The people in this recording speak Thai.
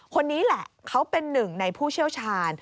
คนนี้แหละเขาเป็นหนึ่งในผู้เชี่ยวชาญ